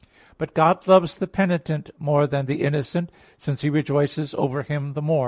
But God loves the penitent more than the innocent; since He rejoices over him the more.